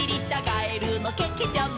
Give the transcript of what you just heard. やあけけちゃま！